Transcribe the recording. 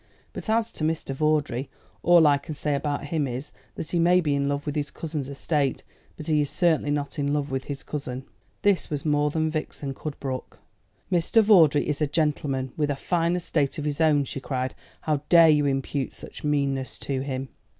But as to Mr. Vawdrey, all I can say about him is, that he may be in love with his cousin's estate, but he is certainly not in love with his cousin." This was more than Vixen could brook. "Mr. Vawdrey is a gentleman, with a fine estate of his own!" she cried. "How dare you impute such meanness to him?"